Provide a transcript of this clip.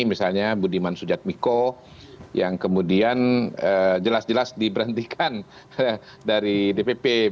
misalnya budiman sujatmiko yang kemudian jelas jelas diberhentikan dari dpp